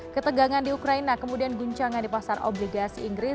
ketegangan di ukraina kemudian guncangan di pasar obligasi inggris